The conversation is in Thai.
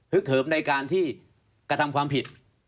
เหิมในการที่กระทำความผิด